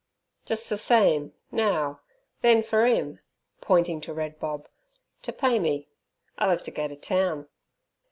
"Jus' th' same, now, then fur 'im," pointing to Red Bob, "t' pay me, I'll 'ev t' go t' town."